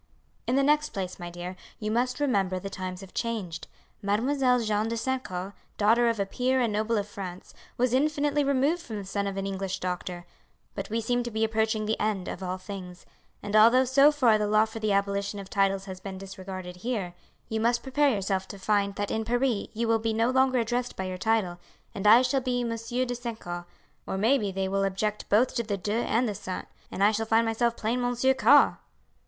"In the next place, my dear, you must remember the times have changed. Mademoiselle Jeanne de St. Caux, daughter of a peer and noble of France, was infinitely removed from the son of an English doctor; but we seem to be approaching the end of all things; and although so far the law for the abolition of titles has been disregarded here, you must prepare yourself to find that in Paris you will be no longer addressed by your title, and I shall be Monsieur de St. Caux; or may be they will object both to the de and the St., and I shall find myself plain Monsieur Caux."